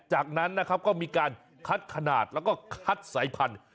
จากนั้นนะครับก็มีการคัดขนาดแล้วก็คัดสายพันธุ์